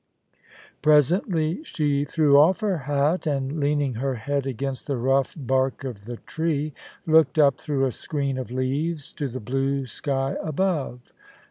Presently she threw off" her hat, and leaning her head against the rough bark of the tree, looked up through a screen of leaves to the blue sky above.